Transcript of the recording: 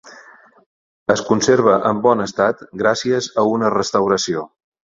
Es conserva en bon estat gràcies a una restauració.